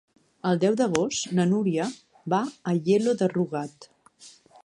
El deu d'agost na Núria va a Aielo de Rugat.